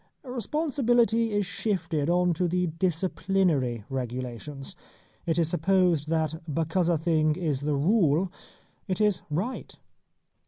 Responsibility is shifted on to the disciplinary regulations. It is supposed that because a thing is the rule it is right.